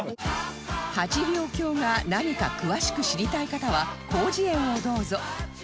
八稜鏡が何か詳しく知りたい方は『広辞苑』をどうぞ